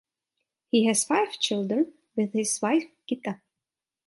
He has five children with his wife Gita.